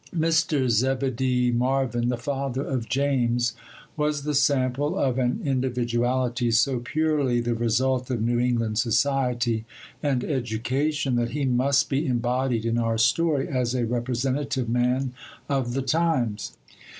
MR. ZEBEDEE MARVYN, the father of James, was the sample of an individuality so purely the result of New England society and education that he must be embodied in our story as a representative man of the times.